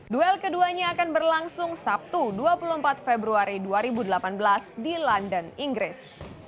duel keduanya akan berlangsung sabtu dua puluh empat februari dua ribu delapan belas di london inggris